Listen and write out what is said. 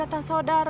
lah hantam ke monday